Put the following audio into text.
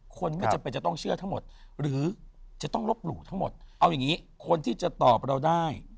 คนไม่จำเป็นจะต้องเชื่อทั้งหมดหรือจะต้องลบหลู่ทั้งหมดเอาอย่างนี้คนที่จะตอบเราได้